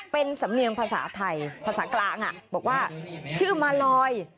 เป็นสำเนียงภาษาไทยภาษากลางบอกว่าชื่อมาลอย